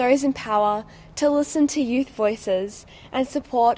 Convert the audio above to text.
saya mengundang para yang berkuasa untuk mendengar suara muda